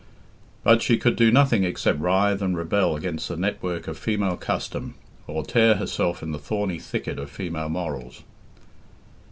But she could do nothing except writhe and rebel against the network of female custom, or tear herself in the thorny thicket of female morals.